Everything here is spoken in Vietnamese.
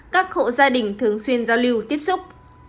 các hộ gia đình thường xuyên giao lưu tiếp xúc